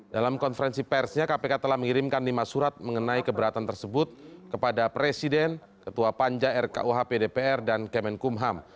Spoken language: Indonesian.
dalam konferensi persnya kpk telah mengirimkan lima surat mengenai keberatan tersebut kepada presiden ketua panja rkuhp dpr dan kemenkumham